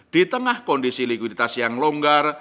di tengah kondisi likuiditas yang longgar